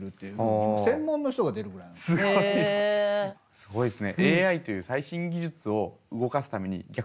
すごいですね。